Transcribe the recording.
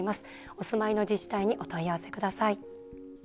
お住まいの自治体にお問い合わせください。